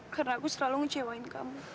karena aku selalu ngecewain kamu